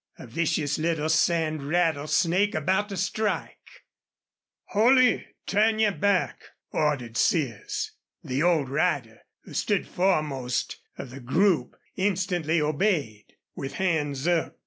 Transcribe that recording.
A vicious little sand rattlesnake about to strike! "Holley, turn yer back!" ordered Sears. The old rider, who stood foremost of the group' instantly obeyed, with hands up.